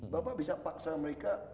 bapak bisa paksa mereka